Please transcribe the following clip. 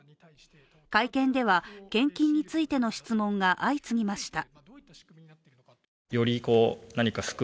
会見では、献金についての質問が相次ぎました。